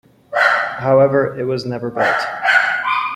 However, it was never built.